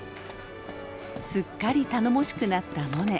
すっかり頼もしくなったモネ。